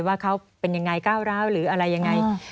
ว่าเขาเป็นยังไงก้าวร้าวหรืออะไรยังไง